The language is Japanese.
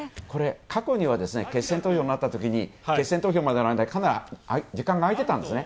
過去には決選投票になったときに決選投票までの間かなり時間が空いてたんですね。